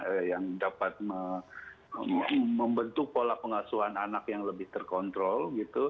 yang dapat membentuk pola pengasuhan anak yang lebih terkontrol gitu